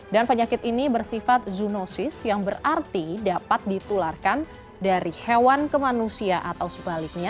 dan penyakit ini bersifat zoonosis yang berarti dapat ditularkan dari hewan ke manusia atau sebaliknya